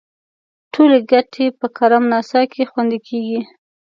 ټولې ګټې په کرم ناسا کې خوندي کیږي.